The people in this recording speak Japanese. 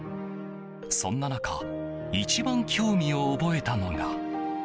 そんな中一番興味を覚えたのが。